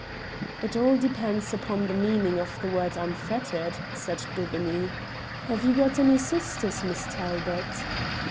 "It all depends upon the meaning of the word 'unfettered,'" said Daubeney. "Have you got any sisters, Miss Talbot?"